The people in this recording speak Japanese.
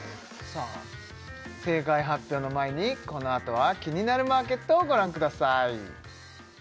正解発表の前にこのあとは「キニナルマーケット」をご覧ください